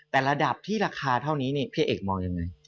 แต่ระดับที่ราคาเท่านี้พี่เอกมองยังไง